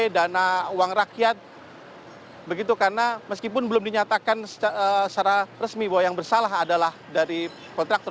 dana uang rakyat begitu karena meskipun belum dinyatakan secara resmi bahwa yang bersalah adalah dari kontraktor